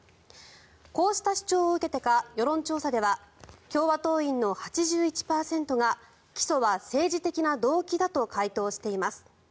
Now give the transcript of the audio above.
こうした主張を受けてか世論調査では共和党員の８１％が起訴は政治的な動機だと回答しています。